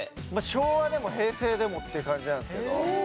昭和でも平成でもっていう感じなんですけど。